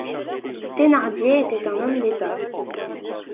Thénardier était un homme d’état.